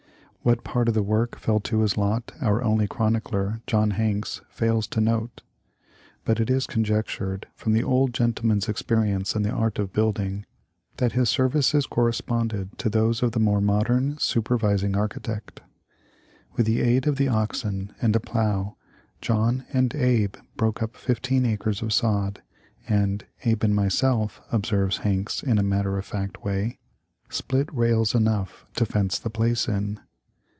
What part of the work fell to his lot our only chronicler, John Hanks, fails to note ; but it is conjectured from the old gentleman's 69 70 THE LIFE OF LINCOLN. experience in the art of building that his services corresponded to those of the more modern super vising architect. With the aid of the oxen and a plow John and Abe broke up fifteen acres of sod, and "Abe and myself," observes Hanks in a mat ter of fact way, " split rails enough to fence the place in."